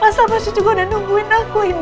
mas salya juga udah nungguin aku ini